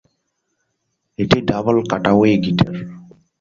এটি double cutaway guitar.